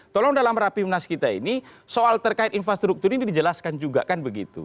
tolong dalam rapimnas kita ini soal terkait infrastruktur ini dijelaskan juga kan begitu